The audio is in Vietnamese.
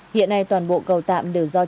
hiện nay toàn bộ cầu tạm đều do chính phủ